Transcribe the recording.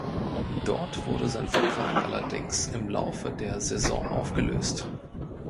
Dort wurde sein Vertrag allerdings im Laufe der Saison aufgelöst.